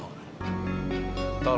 teman anda sea